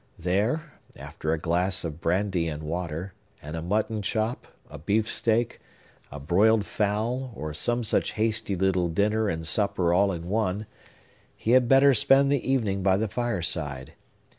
There, after a glass of brandy and water, and a mutton chop, a beefsteak, a broiled fowl, or some such hasty little dinner and supper all in one, he had better spend the evening by the fireside.